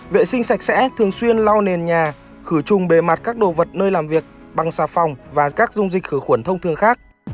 vệ sinh sạch sẽ thường xuyên lau nền nhà khử trùng bề mặt các đồ vật nơi làm việc bằng xà phòng và các dung dịch khử khuẩn thông thường khác